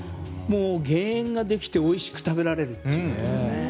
減塩ができておいしく食べられるっていうね。